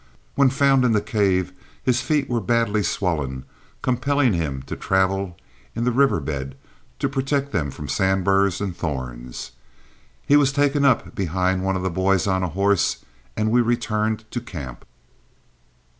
When found in the cave, his feet were badly swollen, compelling him to travel in the river bed to protect them from sandburs and thorns. He was taken up behind one of the boys on a horse, and we returned to camp.